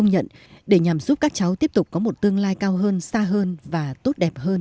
nhận để nhằm giúp các cháu tiếp tục có một tương lai cao hơn xa hơn và tốt đẹp hơn